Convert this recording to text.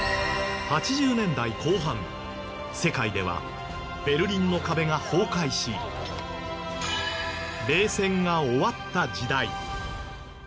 ８０年代後半世界ではベルリンの壁が崩壊し冷戦が終わった時代。